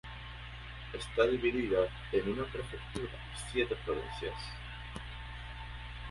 Está dividida en una prefectura y siete provincias.